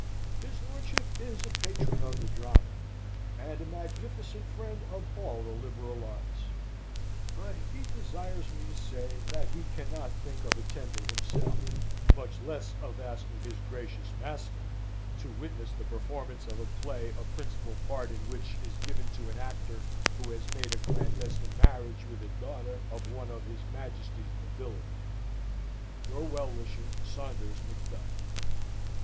His lordship is a patron of the drama, and a magnificent friend of all the liberal arts; but he desires me to say that he cannot think of attending himself, much less of asking his Gracious Master to witness the performance of a play, a principal part in which is given to an actor who has made a clandestine marriage with a daughter of one of his Majesty's nobility. Your well wisher, SAUNDERS MCDUFF."